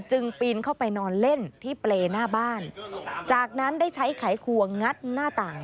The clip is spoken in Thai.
ปีนเข้าไปนอนเล่นที่เปรย์หน้าบ้านจากนั้นได้ใช้ไขควงงัดหน้าต่าง